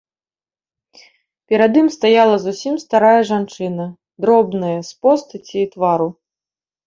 Перад ім стаяла зусім старая жанчына, дробная з постаці і твару.